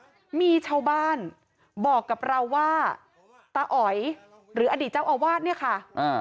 ชาวบ้านมีชาวบ้านบอกกับเราว่าตาอ๋อยหรืออดีตเจ้าอาวาสเนี่ยค่ะอ่า